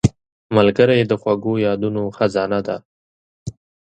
ملګری د خوږو یادونو خزانه ده